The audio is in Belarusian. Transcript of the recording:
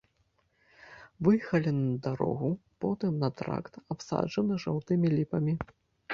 Выехалі на дарогу, потым на тракт, абсаджаны жоўтымі ліпамі.